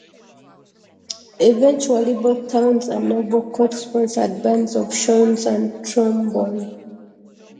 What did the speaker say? Eventually, both towns and noble courts sponsored bands of shawms and trombone.